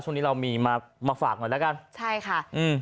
ช่วงนี้เรามีมามาฝากหน่อยแล้วกันใช่ค่ะอืม